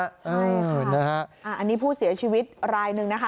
ใช่ค่ะนะฮะอันนี้ผู้เสียชีวิตรายหนึ่งนะคะ